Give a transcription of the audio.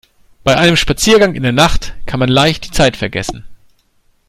Bei einem Spaziergang in der Nacht kann man leicht die Zeit vergessen.